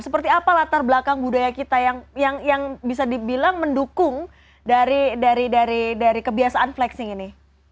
seperti apa latar belakang budaya kita yang bisa dibilang mendukung dari kebiasaan flexing ini